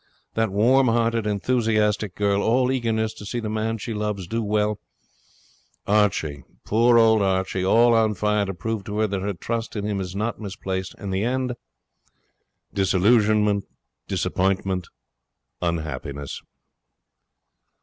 That warm hearted, enthusiastic girl, all eagerness to see the man she loves do well Archie, poor old Archie, all on fire to prove to her that her trust in him is not misplaced, and the end Disillusionment Disappointment Unhappiness.'